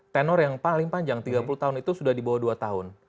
tenor yang paling panjang tiga puluh tahun itu sudah di bawah dua tahun